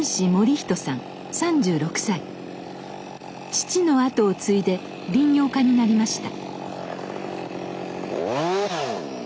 父の後を継いで林業家になりました。